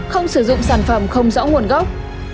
không sử dụng sản phẩm không rõ nguồn gốc